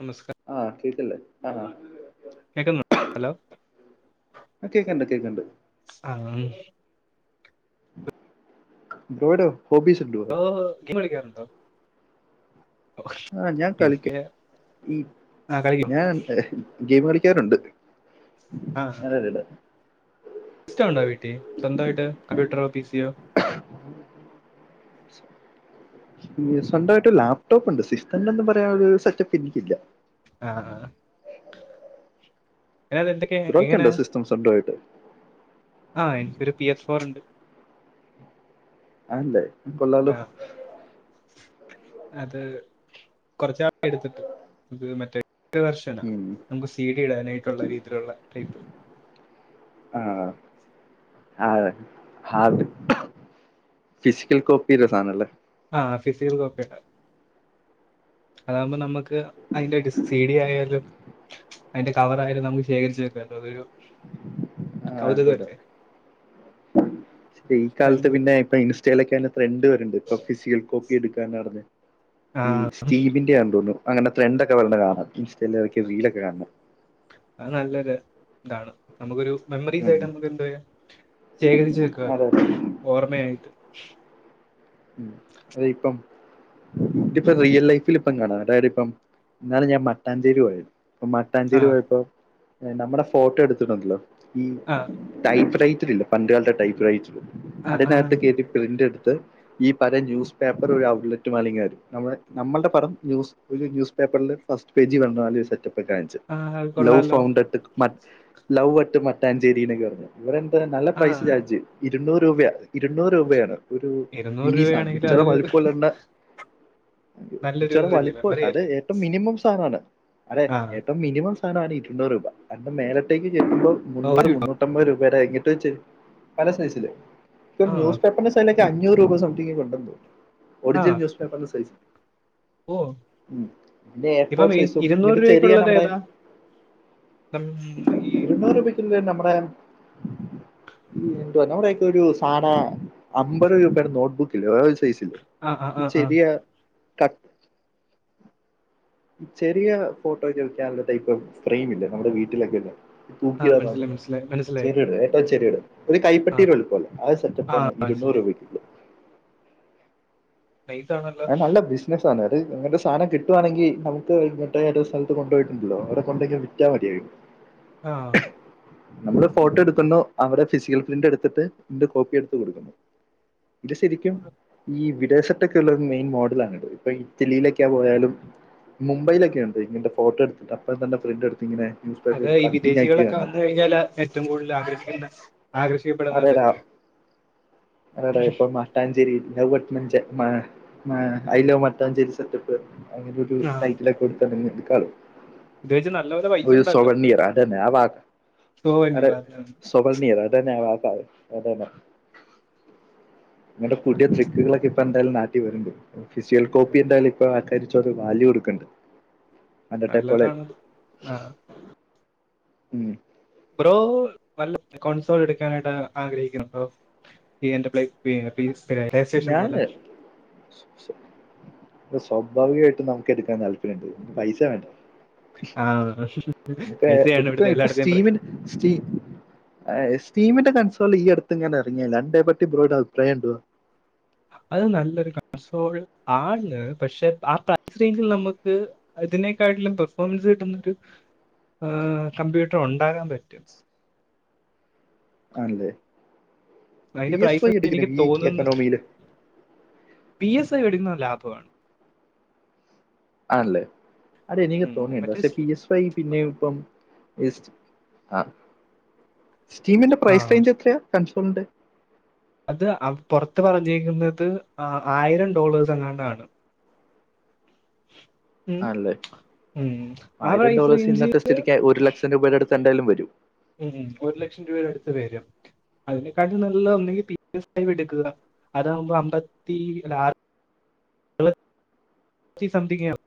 നമസ്കാര ആഹ് കേക്ക് ല്ലേ കേക്കുന്നു ഹലോ ആ കേക്കണ്ട് കേക്കണ്ട് ആ ഉം ബ്രോയിടോ [unintelligible] ബ്രോ ഗെയിം കളിക്കാറുണ്ടോ ആഹ് ഞാൻ കളിക്ക എനിക്ക് ഈ ആ കളിക്കും ഞൻ ഗെയിം കളിക്കാറുണ്ട് ആഹ് അതല്ലിത് സിസ്റ്റം ഉണ്ട വീട്ടി സ്വന്തമായിട്ട് കമ്പ്യൂട്ടറോ പി സിയോ [inaudible] സ്വന്തായിട്ട് ലാപ്ടോപ്പ് ണ്ട് സിസ്റ്റമെന്ന് പറയാൻ ഒരു സെറ്റപ്പ് എനിക്കില്ല. ആഹ് വേറെ എന്തൊക്കെയ എങ്ങനാ? ബ്രോയ്ക്കുണ്ടോ സിസ്റ്റം സ്വന്തമായിട്ട് ആഹ് എനിക്കൊരു പി എഫ് ഫോർ ണ്ട്. അഹല്ലേ കൊള്ളാല്ലോ. ആ അത് കൊറച്ചാ എടുത്തിട്ട് ഇത് മറ്റേ വർശന ഉം നമുക്ക് സീ ഡി ഇടാനായിട്ടുള്ള [unintelligible] ടൈപ്പ്. ആഹ് ആഹ് അതെ ഹാർഡ് ഫിസിക്കൽ കോപ്പി സാണല്ലേ? ആഹ് ഫിസിക്കൽ കോപ്പിട്ടാ അതാകുമ്പോ നമ്മക്ക് അയിൻ്റെ ടിസ് സി ഡി ആയാലും. അയിന്റെ കവറായാലും നമുക്ക് ശേഖരിച്ചു വെക്കാല്ലോ അതൊരു ആഹ് അതെ അതെ കൗതുകമല്ലേ ഈ കാലത്ത് കാരണം പിന്നെ ഇപ്പ ഇൻ ചെലക്കാല്ലോ ഫ്രണ്ട് വര്ണ്ട് ഇപ്പോ ഫിസിയൽ കോപ്പി എടുക്കാനാർഞ്ഞ്. ആ ഈ സ്റ്റീബിന്റെ ആ തോന്നുന്നു അങ്ങനെ ത്രെൻഡ ഒക്കെ വര്ന്ന കാണാം ഇൻസ്റ്റലേ റീലൊക്കെ കാണണം. അത് നല്ലൊര് താണ് നമ്മക്കൊരു മെമ്മറീസ് ഉം ആയിട്ട് നമുക്ക് എന്താ ശേഖരിച്ച് അതെ വെക്കാല്ലോ അതെ ഓർമ്മയായിട്ട്. ഉം അതിപ്പം ഇതിപ്പ റിയൽ ലൈഫിൽ ഇപ്പം കാണാം അതായത് ഇപ്പം ഇന്നാള് ഞാൻ മട്ടാഞ്ചേരി പോയാരുന്നു. പ്പ ആ മട്ടാഞ്ചേരി പോയപ്പോ നമ്മുടെ ഫോട്ടോ എടുത്തിട്ടുണ്ടല്ലോ ഈ ആ ടൈപ്പ് റൈറ്റർ ഇല്ലെ പണ്ട് കാലത്തെ ടൈപ്പ് റൈറ്റർ ആ ആ അതിനകത്ത് കേറ്റി പ്രിന്റ് എട്ത്ത് ഈ പര ന്യൂസ് പേപ്പർ വഴി ഒരു ഔട്ട്ലെറ്റ് മാലെ ങ്ങരും. നമ്മടെ നമ്മൾടെ പടം ന്യൂസ് ഒരു ന്യൂസ് പേപ്പർല് ഫസ്റ്റ് പേജ് [unintelligible] സെറ്റപ്പ്. കാൺച്ച് ആ അത് ലൗവ് കൊള്ളാലോ ഫൗണ്ട്ട്ട് മ ലൗ അറ്റ് മട്ടാഞ്ചേരി എന്നൊക്കെ ർഞ്ഞു. ഇവരെന്ത നല്ല ആ പ്രൈസ് ചാർജ് ഇരുന്നൂറ് രൂപയ ഇരുന്നൂറ് രൂപയാണ് ഒരു ഇരുന്നൂറ് മിനി സാൻ രൂപയാണെങ്കിൽ ഇച്ചറ അതൊരു വലിപ്പോള്ളണ്ട നല്ലൊരു ഇച്ചടെ ഇതല്ലേ വലിപ്പ് മെമ്മറി അത് അല്ലേ ഏറ്റവും മിനിമം സാനാണ് അതെ ആ ഏറ്റ മിനിമം സാനാണ് ഇരുന്നൂറ് രൂപ [unintelligible] മേലത്തേക്ക് ചെല്ലുമ്പോ ഓ അത് മുന്നൂറ്, കിട്ടും മുന്നൂ എമ്പത് രൂപടെ അയിഞ്ഞിട്ട് ചെ പല സൈസില് ഒരു ആ ന്യൂസ് പേപ്പറിന്റെ സൈഡിലെക്കെ അ അഞ്ഞൂറ് രൂപ സംതിങ് കണ്ടോ തോ ആ ഒട്ജൽ ന്യൂസ് പേപ്പറിന്റെ സൈസ് ഓ ഉം ന്റെ എ ഫോർ ഇപ്പം ഈ സൈസും ഇരുന്നൂറ് ഇങ്ങട്ട് ചെരിയ അഒടെ തം ഈ നമ്മടെ ഈ എന്ത്വാ നമ്മുടെക്കെ ഒരു സാദാ അമ്പറ് രൂ നോട്ട് ബുക്കില്ലേ [unintelligible] സൈസില്ലേ. ആഹ് ആഹ് ഈ ആഹ് ആഹ് ചെറിയ ക ചെറിയ ഫോട്ടോ വെക്കാനുള്ള ടൈപ്പ് ഫ്രെയിം ഇല്ലേ നമ്മുടെ വീട്ടിലൊക്കെല്ല. ആ മനസ്സിലായി [unintelligible] മനസ്സിലായി മനസ്സിലായി ചെറിയട ഏറ്റോ ചെറിയട ഒരു ആ കൈപ്പട്ടീടെ ളുപ്പല്ലേ അത് ആ സെറ്റപ്പന്നെ ഇരുന്നൂറ് മനസ്സിലായി രൂപയ്ക്ക് നൈസാണ അത് നല്ല ബിസ് സാനാ അത് അങ്ങൻത്ത സാനം കിട്ടുവാണങ്കി നമുക്ക് മുട്ടേറ്റ ഒരു സ്ഥലത്ത് കൊണ്ടോയിട്ടുണ്ടല്ലോ അവടെ കൊണ്ടെങ്കി വിറ്റാ മതി അഹ്. ആഹ് നമ്മള് ഫോട്ടോ എടുക്കുന്നു അവടെ ഫിസിയൽ പ്രിന്റ് എട്ത്തിട്ട് ന്റെ കോപ്പി എട്ത്ത് കൊടുക്കുന്നു. ഇത് ശരിക്കും ഈ വിദേശ ത് മെയിൻ മോഡൽ ആണിത് ഇപ്പൊ ഇറ്റലിയിലൊക്കെയ പോയാലും മുംബൈലൊക്കെ ണ്ട് ഇങ്ങൻത്തെ ഫോട്ടോ എട്ത്തിട്ട് അപ്പ തന്നെ പ്രിന്റ് എടുത്ത് ഇങ്ങനെ ന്യൂസ് അതേ പേപ്പറിൽ ഈ കട്ടിങ് ആക്കി വിദേശികളൊക്കെ കണ്ടു വന്ന് കഴിഞ്ഞാൽ ഏറ്റവും കൂടുതൽ ആഗ്രഹികുന്ന ആകർഷി ഇബടെ ആരാടാ നടക്കും. ഞ്ചേരി [unintelligible] അങ്ങനൊരു ആ ടൈറ്റിലൊക്കെ ഇത് വെച്ച് നല്ലപോലെ [unintelligible] പൈസ ഒരു ഉണ്ടാക്കാം സോവർണിയർ അതന്നെ ആ വാക്ക് സുഖം അത് തന്നെയാ [unintelligible] ആക്ക അതന്നെ [inaudible] നിങ്ങടെ പുടിയ ട്രിക്കുകളൊക്കെ ഇപ്പൊ എന്തായാലും നാട്ടി വര്ണ്ട്. ഫിസിയൽ കോപ്പി എന്തായാലും ഇപ്പൊ ആൾക്കാര് ഇച്ചൊരു വാല്യൂട്ക്കണ്ട് അന്നെട്ടെപ്പോലെ നല്ലതാണത് ആ ഉം ബ്രോ നല്ല കോൺസോഡ് എടുക്കാനായിട്ട് ആഗ്രഹിക്കുന്നുണ്ടോ ഈ എന്റെ പ്ലേറ്റ് [unintelligible] പ്ലീസ് ഞാന് സ്വാഭാവികമായിട്ട് നമുക്ക് എടുക്കാൻ താല്പര്യുണ്ട് പൈസ വേണ്ടേ ആ പൈസയാണ് ഇവിടുത്തെ [unintelligible] എല്ലായിടത്തെയും പ്രശ്നം സ്റ്റീമൻ്റ് സ്റ്റീക്ക് സ്റ്റീമിന്റെ കൺസോൾ ഈ അടുത്ത് എങ്ങാനും ഇറങ്ങിയലേ അതിനെ പറ്റി ബ്രോയുടെ അഭിപ്രായം എന്തുവാ. അത് നല്ലൊരു കൺസോൾ ആണ് പക്ഷെ ആ പ്രൈസ് റേഞ്ചിൽ നമുക്ക് അതിനേക്കാട്ടിലും പെർഫോമൻസ് കിട്ടുന്നൊരു കമ്പ്യൂട്ടർ ഉണ്ടാകാൻ പറ്റും ആണല്ലേ പി അതിന്റെ എസ് വൈ പ്രൈസ് എടുക്കുന്നു എനിക്ക് ഈ തോന്നുന്നു എക്കണോമിയില് പി എസ് ഐ എടുക്കുന്ന ലാഭമാണ് ആണല്ലേ അത് എനിക്ക് ഉം. തോന്നിയിട്ടോ മറ്റേ പക്ഷേ സ്- പി എസ് ഇപ്പം ഈ പിന്നെ ഇപ്പം ആ സ്റ്റീമിന്റെ ആ പ്രൈസ് റേഞ്ച് എത്രയാ കൺസോൺണ്ട് അത് പൊറത്ത് പറഞ്ഞേക്കുന്നത് ആയിരം ഡോളേഴ്സ് എങ്ങടോ ആണ് ഉ ആണല്ലേ ഉ ആ പ്രൈസ് റേഞ്ച് ശെരിക്ക് ഒരു ലക്ഷം രൂപയുടെ അടുത്ത് എന്തായാലും വരും ഉം ഒരു ലക്ഷം രൂപയുടെ അടുത്ത് വരും അതിനെക്കാട്ടിം നല്ല ഒന്നെകിൽ പി എസ് ഫൈവ് എടുക്കുക അതാകുമ്പോ അമ്പത്തി ആറ് ങ്ങള് സംതിങ്ങ് ആകും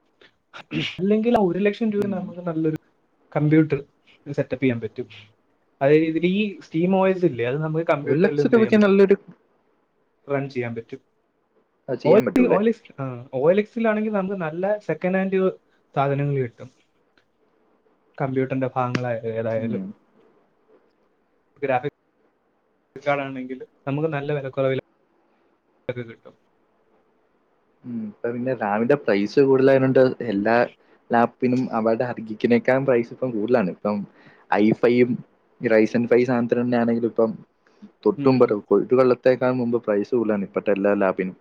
അല്ലെങ്കിൽ ഒരു ലക്ഷം രൂപ ഉം. നമുക്ക് നല്ലൊരു കമ്പ്യൂട്ടർ സെറ്റപ്പ് ചെയ്യാൻ പറ്റും അത് ഇതിൽ ഈ സ്റ്റീം ഓയിൽസ് ഇല്ലേ അത് നമുക്ക് ഒരു കമ്പ്യൂട്ടറിൽ ലക്ഷം എന്ത് ചെയ്യാൻ രൂപയ്ക്ക് പറ്റും നല്ലൊരു റൺ ചെയ്യാൻ പറ്റും അത് ഓ ചെയ്യാൻ പറ്റൂലേ ഓൽക്സ് ഓൽക്സ് ഓൽക്സിലാണെങ്കിൽ നമുക്ക് നല്ല സെക്കൻ് ഹാൻഡ് സാധനങ്ങൾ കിട്ടും കമ്പ്യൂട്ടറിന്റെ ഭാഗങ്ങളായാലും ഏതായാലും ഉം. ഗ്രാഫി ണെങ്കിൽ നമുക്ക് നല്ല വിലക്കുറവിൽ അത് കിട്ടും ഇപ്പ പിന്നെ റാമിന്റെ പ്രൈസ് കൂടുതലായോണ്ട് എല്ലാ ലാപ് പിനും അവടെ അർഹിക്കിനേക്കാ പ്രൈസ് ഇപ്പം കൂട്ലാണ് ഇപ്പം ഐ ഫൈയ്യും റൈയ്സൻ ഫൈസ് [unintelligible] ആണേലുപ്പം ഉം തൊട്ടു ഉം. [unintelligible] വെള്ളത്തേക്കാ മുമ്പ് പൈസക്കൂട്ലാണ് ഇപ്പത്തെ എല്ലാ ലാബിനും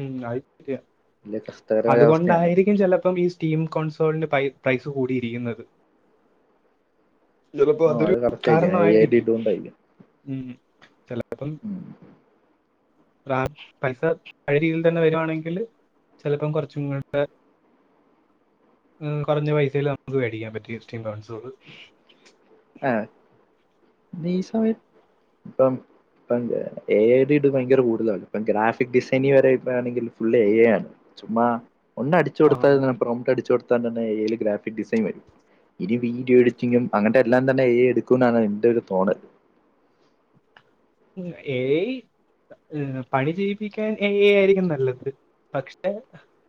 ഉം അത് ശരിയ കഷ്ടകരമായ അവസ്ഥയാണ് അതുകൊണ്ടായിരിക്കും ചിലപ്പം ഈ ടീം കോൺസോളിന്റെ പ്രൈസ് കൂടിയിരിക്കുന്നത് ചിലപ്പോ ഓ അതൊരു അത് കറക്റ്റ് ആയിരിക്കും എ ഐ ഡി കാരണയിരിക്കും ഇട്ടുകൊണ്ടായിരിക്കും ഉ ചിലപ്പം ഉം പൈസ പഴയ രീതിയിൽ തന്നെ വരുവാണെങ്കിൽ ചിലപ്പോം കൊറച്ചും ഇങ്ങട്ട് കൊറഞ്ഞ പൈസയിൽ നമുക്ക് മേടിക്കാൻ പറ്റും സ്റ്റീം കൗൺസുകള് ആഹ ഈ സമയ ഇപ്പം [unintelligible] ഭയങ്കര കൂട്തലാണ് ഇപ്പം ഗ്രാഫിക് ഡിസൈനി വരെ ഇപ്പ ആണെങ്കി ഫുള്ള് എ ഐ ആണ് ചുമ്മാ ഒന്നും അടിച്ചു കൊടുത്ത പ്രൊമ്റ്റ് അടിച്ചു കൊടുത്താതന്നെ ഏ ഐ ൽ ഗ്രാഫിക്ക് ഡിസൈൻ വരും ഇനി വീഡിയോ എഡിറ്റിംഗും അങ്ങ എല്ലാം തന്നെ ഏ എടുക്കും എന്നാണ് എന്റെറെ ഒരു തോന്ന. ഏയ് ള പണി ചെയ്യിപ്പിക്കാൻ ഏ ഇ എ ആയിരിക്കും നല്ലത് പക്ഷെ-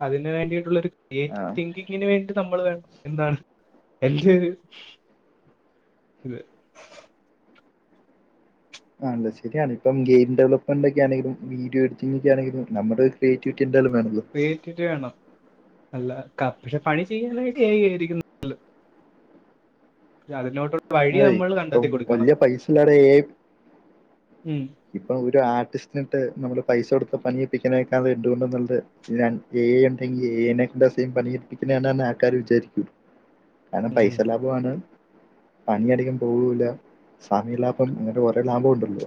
അതിന് വേണ്ടിയിട്ടുള്ള ഒരു ആ ക്രിയേറ്റ്തിങ്കിംങ്. ഇതിന് വേണ്ടിട്ട് നമ്മൾ വേണം എന്താണ് എൽജ് ഇത്- പറഞ്ഞത് ശരിാണ് ഇപ്പം ഗെയി ഡെലപ്മെനറ്റൊക്കെണേലും വീഡോ എഡിറ്റി്ങ്ങിക്കെണേലും നമ്മൾ ഡേറ്റിവിറ്റി എന്തായാലുവേണല്ലോ. ക്രീറ്റിവിറ്റി വേണം അല്ല പക്ഷെ പണി ചെയ്യാനഐഡ ആയി ആയിരിക്ക ഇതറിഞ്ഞോട്ടുള്ള ഐഡിയ അതെ നമ്മൾ ഇപ്പം കണ്ടെത്തി കൊൊടുക്കണം വലിയ പൈസ ഇല്ലാതെ ഉം. ഇപ്പൊ ഒരു ആർട്ടിസ്റ്റിനിട്ട് നമ്മള് പൈസ കൊടുത്ത പനിയെപ്പിക്കാനൊക്കെ അത് ഉണ്ടുകൊണ്ടുള്ളത് ഏ ഉണ്ടെങ്കി ഏനെന്തസം പണിരിപ്പിക്കുന്ന ആക്കാര് വിചാരിക്കൂ കാരണം പൈസ ഉം. ലാഭംമാണ് പണിയതികം പോവൂല്ല സമയ ലാഭം അങ്ങനെ ഓരോ ലാഭം ഉണ്ടല്ലോ.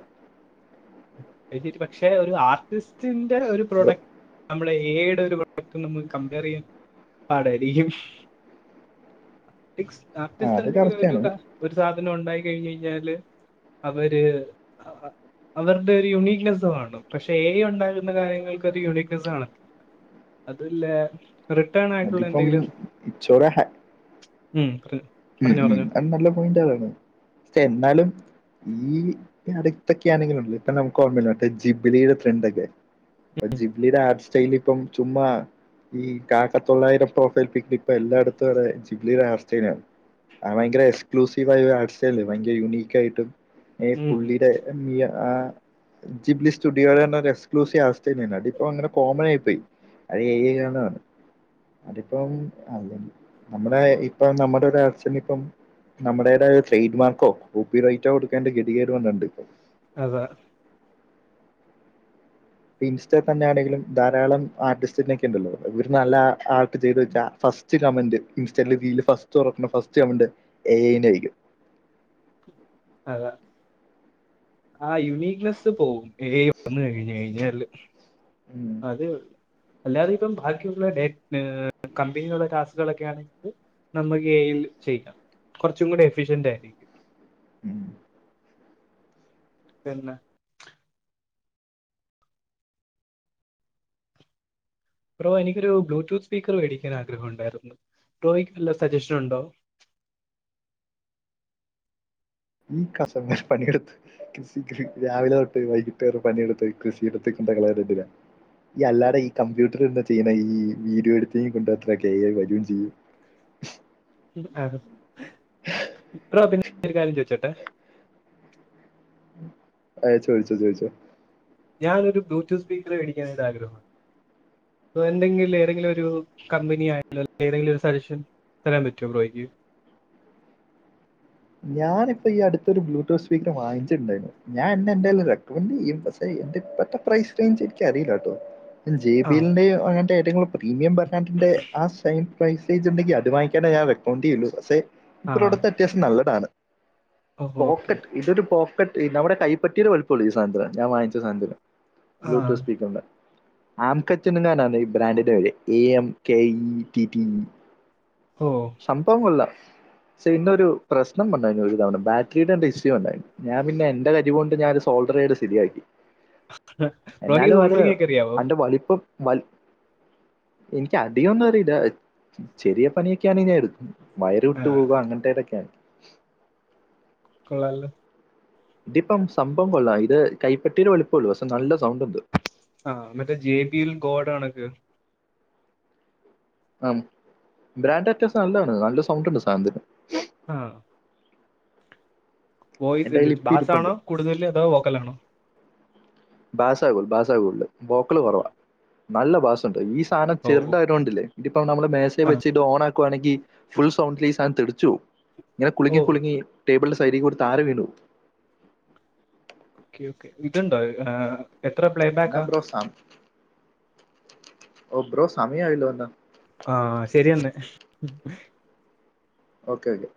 ഇതില് പക്ഷെ ഒരു ആർട്ടിസ്റ്റിന്റെ ഒരു ബ്രോ പ്രൊഡക്- നമ്മള് എ ഇടെ വർക്ക്നമ്മക് കമ്പയർ ചെയ്യാൻ പാടായിരിക്കും. ആ ആർടിസ് ആ ആർട്ടിസ്റ്റ് അത് എൻന്തെങ്കിലും ഒരു രൂപ. കറക്റ്റാണ് ഒരു സാധനം ഉണ്ടായി കഴിഞ്ഞ് കഴിഞ്ഞാല് അവര് അവർ. ഇത് ഒരു യുണീക്നെസ്സ് കാണും പക്ഷെ എ ഉണ്ടാകുന്ന കാര്യങ്ങൾക്ക് ഒരു യൂണീക്നെസ്സ് കാണാത്തില്ല അതുല്ലേ റിട്ടേൺ ആയിട്ടുള്ള അതിപ്പം എന്തെങ്കിലും. ഇറ്റ്സ് ഓർ എ ഉം ഒരു ഉം ഉം അത് നല്ല പോയിന്റ് ആണ് പക്ഷെ എന്നാലും. ഈ അടുത്തൊക്കെ ആണെങ്കിലും ഇപ്പം നമുക്ക് ഓർമ്മയില്ല ജിബിലി ടെ ട്രെൻഡ് ഒക്കെ അപ്പൊ ജിബ് ലിയുടെ ആപ്പ് സ്റ്റെയിലിപ്പം ചുമ്മാ. ഈ കാക്കതൊള്ളായിരം പ്രൊഫൈൽ പിക് ഇപ്പൊ എല്ലായിടത്തും അതെ ജിബ് ലിയുടെ ആപ് സ്റ്റയിലാണ്. ആ ഭയങ്കര എക്സ്ക്ലൂസീവ് ആയ ഒരു ആർട്സ്ല് ഭയങ്കര യുണീക്ക് ആയിട്ടും ഈ ഉം. പുള്ളിയുടെ. നി ആഹ് ജിബ് ലി സ്റ്റുഡിയോ എന്നു പറ ഒരു എക്സ്ക്ലൂസീവ് ആപ്പ്സ്റ്റൈയിലാണ് അതി ഇപ്പൊ അങ്ങനെ കോമൺ ആയിപോയി അത്‌ എ ഐ ആന്ന് കാണും അതിപ്പം അല്ലെങ്കി നമ്മുടെ ഇപ്പം നമ്മുടെ ഒര് ഇപ്പം നമ്മുടേതായ ട്രേഡ്മാർക്കോ കോപ്പിറൈറ്റോ കൊടുക്കേണ്ട ഗതികേട് വന്നിട്ടുണ്ട് ഇപ്പം അതെ. ഇപ്പൊ ഇൻസ്റ്റേതന്നെ ആണെലും ധാരാളം ആർട്ടിസ്റ്റിനൊക്കെണ്ടല്ലോ ഇവർ നല്ല ആർട്ട് ചെയ്ത് വെച്ച ഫസ്. ഫസ്റ്റ് കമന്റ് ഇൻസ്റ്റേൽ റീൽ ഫസ്റ്റ് തൊറക്കുമ്പൊ ഫസ്റ്റ് കമന്റ് എ ഐ ന്റെ ആയിരിക്കും. അതേ ആ യുണീക്നെസ്സ് പോവും ഏ ഇ വന്നു കഴിഞ്ഞാല്. ഉം അതേള്ളൂ അല്ലാതെ ഇപ്പം ബാക്കിയുള്ള ഡേ കമ്പനികളുടെ ടലാസുകളൊക്കെ. നമുക്ക് ഏഇൽചെയ്യാം കുറച്ചും കൂടി എഫിഷ്യന്റ് ആയിരിക്കും. ഉം. പിന്നെ. ബ്രോഎനിക്കൊരു ബ്ലൂടൂത്ത് സ്പീക്കർ മേടിക്കാൻ ആഗ്രഹം ഉണ്ടായിരുന്നു ബ്രോയ്ക്ക് നല്ല സജഷൻ ഉണ്ടോ ഈ കാശെന്നെ പണിെയെടുത്ത്. കൃഷി രാവിലെ തൊട്ട വൈകിട്ട് വരെ പണിയെടുത്ത് കൃഷി [unintelligible] ഈ അല്ലാടെ ഈ കമ്പ്യൂട്ടർ എന്താ ചെയ്യുന്നേ ഈ വീഡിയോ എഡിറ്റിംഗക്കൊ എ ഐ വരും ചെയ്യും. ആ ബ്രോ പിന്നെ ഒരു കാര്യം ചോയ്ച്ചോട്ടെ? അയ് ചോദിച്ചോ ചോദിച്ചോ. ഞാനൊരു ബ്ലൂടൂത്ത് സ്പീക്കർ വേടിക്കാൻ ഒരാഗ്രഹമാണ്. അ എന്തെങ്കിലും ഏതെങ്കിലും ഒരു കമ്പനി ആയിട്ടുള്ള ഏതെങ്കിലും ഒരു സജഷൻ. തരാൻ പറ്റോ ബ്രോയ്ക്ക്? ഞാനിപ്പോ ഇപ്പൊ അടുത്തൊരു ബ്ലൂടൂത്ത് സ്പീക്കർ വാങ്ങിച്ചിട്ടുണ്ടായിരുന്നു ഞാൻ അന്നെ എന്തായാലും റെക്കമെന്റ് ചെയ്യും പഷേ അയിന്റെ ഇപ്പത്തെ പ്രൈസ് റേഞ്ച് എനിക്ക് അറിയില്ലാട്ടോ. ജെ ആ ബി എലിന്റെയോ അങ്ങനത്തെ ഏറ്റവും പ്രീമിയം ബ്രാണ്ടിന്റെ ആ സൈം പ്രൈസേജ് ഉണ്ടെങ്കി അത് വാങ്ങിക്കാനെ ഞാൻ റെക്കമെണ്ട് ചെയുള്ളു പക്ഷേ ഈ ആ പ്രോഡക്റ്റ് അത്യാവശ്യം നല്ലതാണ് ഓ ഓക്കെ പോക്കറ്റ് ഇതൊരു പോ നമ്മുടെ കൈപ്പത്തീടെ വലുപ്പൊള്ളൂ ഈ സാനത്തിന് ഞാൻ വാങ്ങിച്ച സാനത്തിന് ആ ബ്ലൂടൂത്ത് സ്പീക്കറിന്റെ ആംകെറ്റ് ന്ന് ആണ്ടേ ഈ ബ്രാൻഡിന്റെ പേര് A M K E TT ഓ സംഭവം കൊള്ളാം പക്ഷേ ഇയിന് ഒരു പ്രശ്നം ഉണ്ടായിര്ന്ന് ഒരു തവണ ബാറ്ററിയുടെ ന്തൊ ഇഷ്യൂ ഉണ്ടായിരുന്നു ഞാൻ പിന്നെ എന്റെ കരി കൊണ്ട് ഞാന ഒരു സോൾഡറഡ യ്തു സ്ഥിതിയാക്കി ബ്രോയ്ക്ക് എന്നാലും ഒരു സോൾഡറിങ് ഒക്കെ അറിയാവോ അന്റെ വലിപ്പം എനിക്ക് അധികം ഒന്നും അറിയില്ല ചെറിയ പണിയൊക്കെയാണെ ഞാൻ എടുക്കും വയര് ആ വിട്ടു പോകുക അങ്ങനത്തേതൊക്കെയാണ് കൊള്ളാല്ലോ ഇതിപ്പം സംഭവം കൊള്ളാം ഇത് കൈപ്പറ്റിയിടടെ വലിപ്പമള്ളൂ പക്ഷെ നല്ല സൗണ്ട് ഉണ്ട് ആഹ മറ്റേ ജെ ബി എൽ ഗോഡണക്ക് ആ ബ്രാൻഡ് അത്യാവസം നല്ലതാണ് നല്ല സൗണ്ട് ഉണ്ട് സാനത്തിന് ആഹ വോയിസ് എന്റെ ഉണ്ട് കയ്യിൽ ഇപ്പം ബാസ് ഇരിപ്പുണ്ട് ആണോ കൂടുതല് അതോ വോക്കലാണോ ബാസ കൂ ബാസാ കൂടുതൽ വോക്കൽ കുറവാ നല്ല ബാസ്ണ്ട് ഈ സാധനം ഓ ഓ. ചെറുതായിതുകൊണ്ടില്ലേ ഇതിപ്പോ നമ്മള് മേശേൽ ആ വച്ച് ഇത് ഓണാക്കുവാണെങ്കി ഫുൾ സൗണ്ടിൽ ഈ സാധനം തെടിച്ചു പോവും. ഇങ്ങനെ ഓ കുളുങ്ങി കുളുങ്ങി ടേബിളിന്റെ സൈഡീക്കൂടെ താര വീണു. Okay okay ഇത്ണ്ടോ? ഏഹ് എത്ര പ്ലേ എന്നാ ബാക്കാ ബ്രോ സം. ഓഹ് ബ്രോ സമയമായില്ലോന്നാ ആഹ് ശരിയെന്ന് ഓക്കെ ഓക്കെ